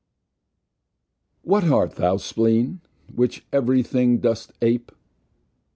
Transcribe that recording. What art thou, SPLEEN, which ev'ry thing dost ape?